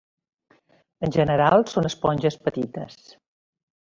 En general, són esponges petites.